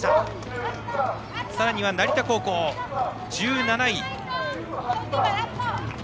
さらには成田高校が１７位。